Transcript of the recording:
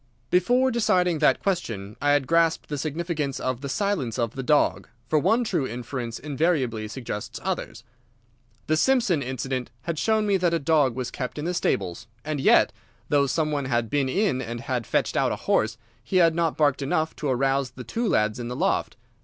"Before deciding that question I had grasped the significance of the silence of the dog, for one true inference invariably suggests others. The Simpson incident had shown me that a dog was kept in the stables, and yet, though some one had been in and had fetched out a horse, he had not barked enough to arouse the two lads in the loft.